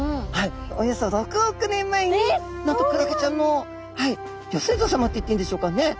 およそ６億年前になんとクラゲちゃんのギョ先祖さまっていっていいんでしょうかね。